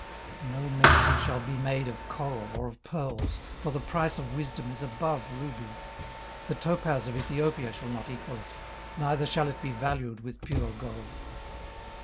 18:028:018 No mention shall be made of coral, or of pearls: for the price of wisdom is above rubies. 18:028:019 The topaz of Ethiopia shall not equal it, neither shall it be valued with pure gold.